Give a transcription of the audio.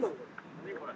何これ。